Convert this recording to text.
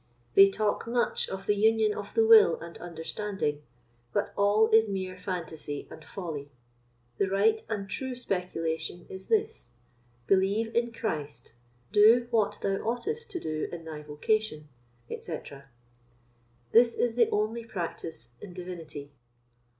They talk much of the union of the will and understanding, but all is mere phantasy and folly. The right and true speculation is this: "Believe in Christ; do what thou oughtest to do in thy vocation," etc. This is the only practice in Divinity.